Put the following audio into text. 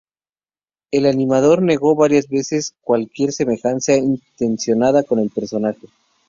El animador negó varias veces cualquier semejanza intencionada con el personaje.